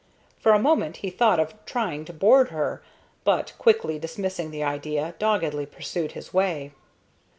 For a moment he thought of trying to board her, but, quickly dismissing the idea, doggedly pursued his way.